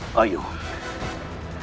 tidak akan menyerahkanmu tuhan